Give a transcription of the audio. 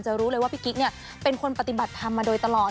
รู้เลยว่าพี่กิ๊กเนี่ยเป็นคนปฏิบัติธรรมมาโดยตลอด